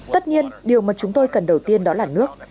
tất nhiên điều mà chúng tôi cần đầu tiên đó là nước